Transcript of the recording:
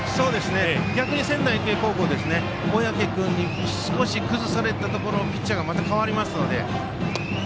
逆に仙台育英高校は小宅君に少し崩されたところでピッチャーが代わりましたので。